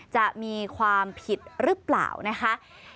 จะมีความผิดหรือเปล่านะคะ